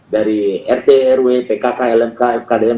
dari rt rw pk klmk fkdm